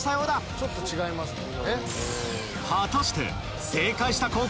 ちょっと違いますもんね。